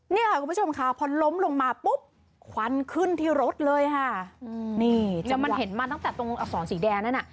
เนี่ยค่ะคุณผู้ชมค่ะพอล้มลงมาปุ๊บควันขึ้นที่รถเลยค่ะนี่จนมันเห็นมาตั้งแต่ตรงอักษรสีแดงนั่นอ่ะ